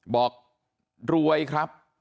บอกรวยครับ